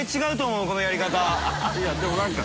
いやでも何か。